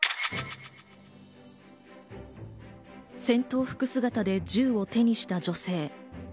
戦闘服姿で銃を手にした女性。